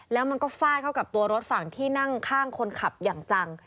แล้วมันก็ฟาดเข้ากับตัวรถฝั่งที่นั่งข้างคนขับอย่างจัง